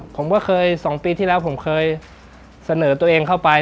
ผมก็เคย๒ปีที่แล้วผมเคยเสนอตัวเองเข้าไป